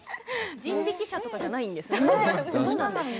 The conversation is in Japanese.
人力車とかではないんですね。